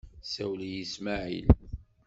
Sawal-iyi Smaεil.